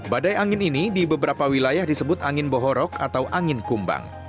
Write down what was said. badai angin ini di beberapa wilayah disebut angin bohorok atau angin kumbang